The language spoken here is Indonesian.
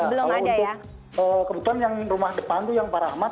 kalau untuk kebetulan yang rumah depan itu yang pak rahmat